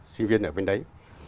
sinh viên ở bên đấy